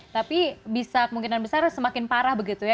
tapi bisa kemungkinan besar semakin parah begitu ya